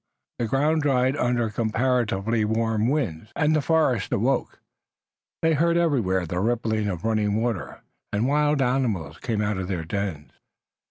The ground dried under comparatively warm winds, and the forest awoke. They heard everywhere the ripple of running water, and wild animals came out of their dens.